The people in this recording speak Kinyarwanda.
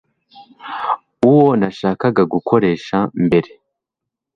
uwo nashakaga gukoresha mbere